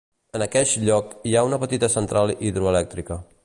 En aqueix lloc, hi ha una petita central hidroelèctrica.